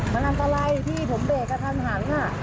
มันอันตรายพี่ผมเบรกกระทันหัน